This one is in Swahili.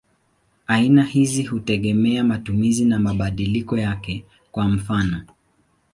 Aina hizi hutegemea matumizi na mabadiliko yake; kwa mfano.